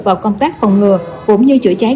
vào công tác phòng ngừa cũng như chữa cháy